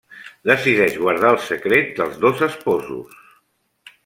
Decideix guardar el secret dels dos esposos.